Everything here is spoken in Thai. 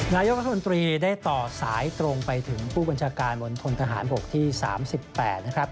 นายกรัฐมนตรีได้ต่อสายตรงไปถึงผู้บัญชาการมณฑนทหารบกที่๓๘นะครับ